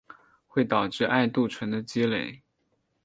会导致艾杜醇的积累。